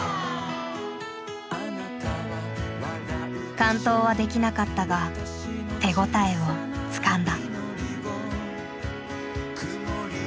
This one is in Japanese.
完登はできなかったが手応えをつかんだ。